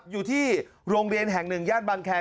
อยู่ที่โรงเรียนแห่งหนึ่งย่านบางแคร์